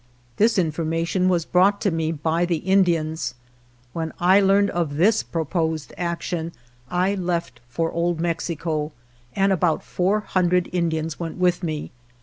This information was brought to me by the Indians. When I learned of this pro posed action I left for Old Mexico, and about four hundred Indians went with me.